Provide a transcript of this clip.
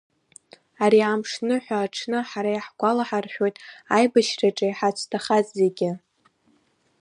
Ари амш ныҳәа аҽны ҳара иаҳгәалаҳаршәоит аибашьраҿы иҳацәҭахаз зегьы.